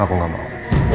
aku gak mau